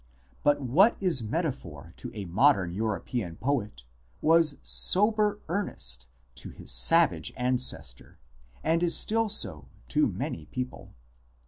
But what is metaphor to a modern European poet was sober earnest to his savage an cestor, and is still so to many people."